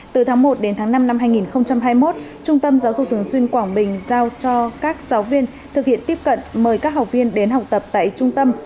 từ tháng một đến tháng năm năm hai nghìn hai mươi một trung tâm giáo dục thường xuyên quảng bình giao cho các giáo viên thực hiện tiếp cận mời các học viên đến học tập tại trung tâm